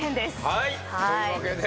はいというわけで？